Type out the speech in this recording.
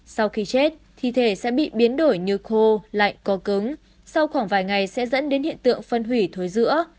sau khi chết thì thể sẽ bị biến đổi như khô lạnh có cứng sau khoảng vài ngày sẽ dẫn đến hiện tượng phân hủy thối giữa